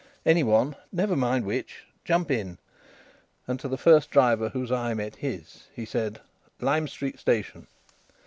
"Any one. Never mind which. Jump in." And to the first driver whose eye met his, he said: "Lime Street Station."